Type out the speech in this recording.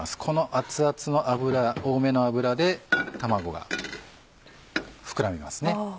この熱々の多めの油で卵が膨らみますね。